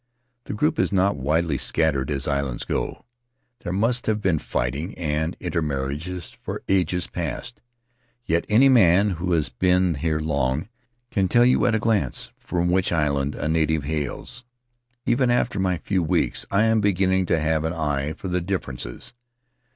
The group is not widely scattered as islands go; there must have been fighting and intermarriage for ages past. Yet any man who has been here long can tell you at a glance from which island a native hails; even after my few weeks I am beginning to have an eye for the differ ences.